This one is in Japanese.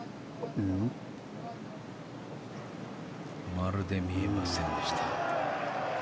まるで見えませんでした。